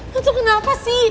lo tuh kenapa sih